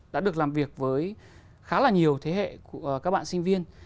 đã được làm việc với khá là nhiều thế hệ các bạn sinh viên